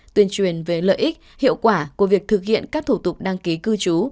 tuyên truyền về lợi ích hiệu quả của việc thực hiện các thủ tục đăng ký cư trú